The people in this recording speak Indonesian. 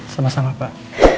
sama sama pak